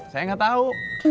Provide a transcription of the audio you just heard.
saya gak tau